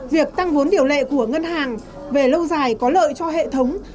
việc tăng vốn điều lệ của ngân hàng về lâu dài có lợi cho hệ thống